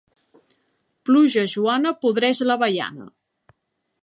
Pluja joana podreix l'avellana.